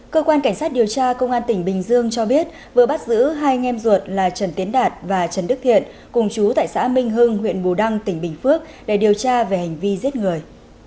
cơ quan cảnh sát điều tra công an tỉnh bình dương cho biết vừa bắt giữ hai nghem ruột là trần tiến đạt và trần đức thiện cùng chú tại xã minh hưng huyện bù đăng tỉnh bình phước để điều tra về hành vi giết người